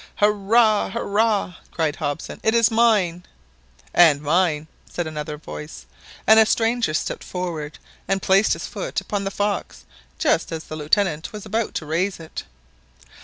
"Hurrah! hurrah !" cried Hobson, "it is mine!" "And mine!" said another voice, and a stranger stept forward and placed his foot upon the fox just as the Lieutenant was about to raise it.